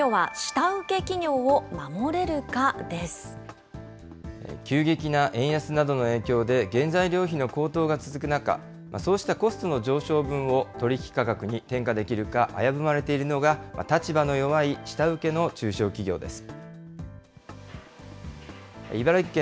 きょうは下請け企業を守れるかで急激な円安などの影響で、原材料費の高騰が続く中、そうしたコストの上昇分を取引価格に転嫁できるか危ぶまれているのが、立場の弱い下請けの中小企業です。